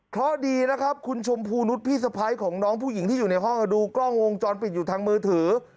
เพราะดีนะครับคุณชมพูนุษย์พี่สะพ้ายของน้องผู้หญิงที่อยู่ในห้องดูกล้องวงจรปิดอยู่ทางมือถือ